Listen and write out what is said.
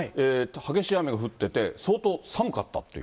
激しい雨が降ってて相当寒かったという。